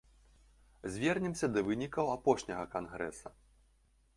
Звернемся да вынікаў апошняга кангрэса.